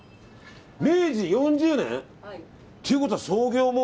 明治４０年？ということは創業も。